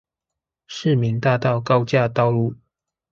市民大道高架道路